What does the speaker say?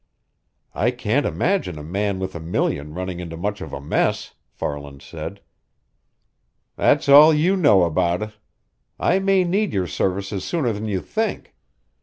"I can't imagine a man with a million running into much of a mess," Farland said. "That's all you know about it. I may need your services sooner than you think.